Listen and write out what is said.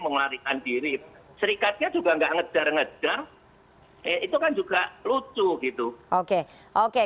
mengelarikan diri serikatnya juga enggak ngedar ngedar itu kan juga lucu gitu oke oke